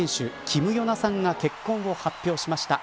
キム・ヨナさんが結婚を発表しました。